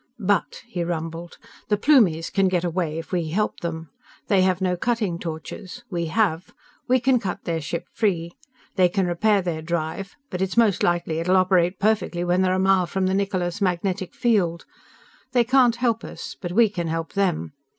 "But," he rumbled, "_the Plumies can get away if we help them. They have no cutting torches. We have. We can cut their ship free. They can repair their drive but it's most likely that it'll operate perfectly when they're a mile from the Niccola's magnetic field. They can't help us. But we can help them.